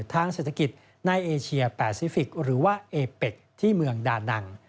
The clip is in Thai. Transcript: ทางเศรษฐกิจในเอเชียแปซิฟิกหรือว่าเอเป็กที่เมืองดานัง